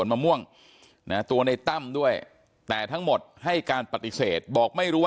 น้องจ้อยนั่งก้มหน้าไม่มีใครรู้ข่าวว่าน้องจ้อยเสียชีวิตไปแล้ว